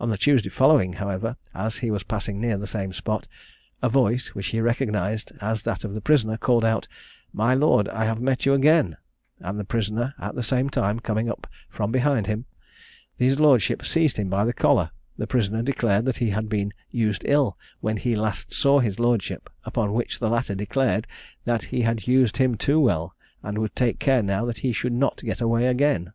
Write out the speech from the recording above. On the Tuesday following, however, as he was passing near the same spot, a voice, which he recognised as that of the prisoner, called out, "My Lord, I have met you again," and the prisoner at the same time coming from behind him, his Lordship seized him by the collar; the prisoner declared that he had been used ill when he last saw his Lordship, upon which the latter declared that he had used him too well, and would take care now that he should not get away again.